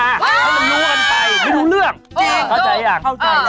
แล้วมันล่วนไปไม่ดูเรื่องเข้าใจหรือยัง